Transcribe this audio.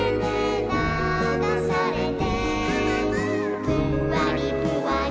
「ぷんわりぷわり」